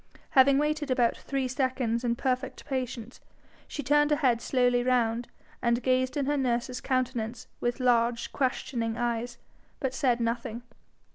Having waited about three seconds in perfect patience, she turned her head slowly round, and gazed in her nurse's countenance with large questioning eyes, but said nothing.